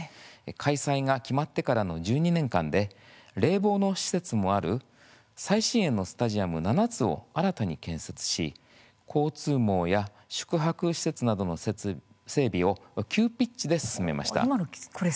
開催が決まってからの１２年間で冷房の施設もある最新鋭のスタジアム７つを新たに建設し交通網や宿泊施設などの今のスタジアムなんですね。